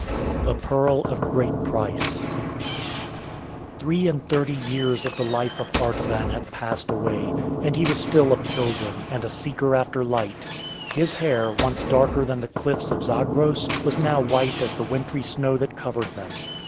A PEARL OF GREAT PRICE Three and thirty years of the life of Artaban had passed away, and he was still a pilgrim and a seeker after light. His hair, once darker than the cliffs of Zagros, was now white as the wintry snow that covered them.